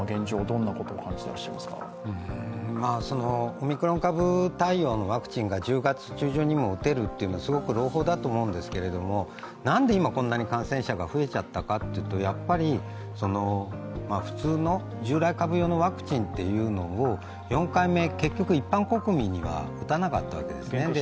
オミクロン株対応のワクチンが１０月中旬にも打てるというのはすごく朗報だと思うんですけれども、なんで今、こんなに感染者が増えちゃったかというと、やっぱり普通の従来株用のワクチンを４回目、結局一般国民には打たなかったわけですね。